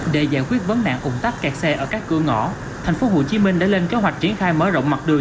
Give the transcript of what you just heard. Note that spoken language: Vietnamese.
để giải quyết vấn nạn ủng tắc kẹt xe ở các cửa ngõ tp hcm đã lên kế hoạch triển khai mở rộng mặt đường